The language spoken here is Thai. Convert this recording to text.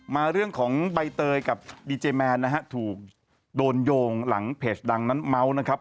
มาเรื่องของใบเตยกับดีเจแมนนะฮะถูกโดนโยงหลังเพจดังนั้นเมาส์นะครับ